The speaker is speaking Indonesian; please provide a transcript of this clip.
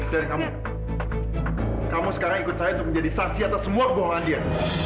dari kamu kamu sekarang ikut saya untuk menjadi saksi atas semua kebohongan dia